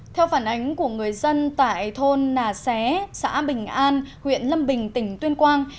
theo phản ánh của người dân tại thôn nà xé xã bình an huyện lâm bình tỉnh tuyên quang